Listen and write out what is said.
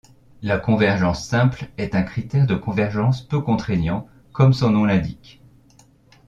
La convergence simple est un critère de convergence peu contraignant, comme son nom l'indique.